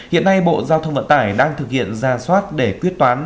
hiện nay bộ giao thông vận tải đang thực hiện ra soát để quyết toán